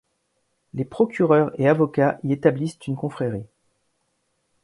Les procureurs et avocats y établissent une confrérie.